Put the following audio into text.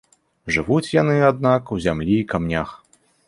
Жывуць яны, аднак, у зямлі і ў камянях.